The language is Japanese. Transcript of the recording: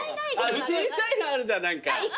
小さいのあるじゃん何か。